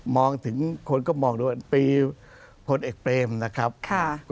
มองถึงคนก็มองด้วยวันปีพลเอกเปรมนะครับค่ะ